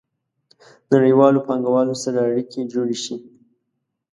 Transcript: نړیوالو پانګوالو سره اړیکې جوړې شي.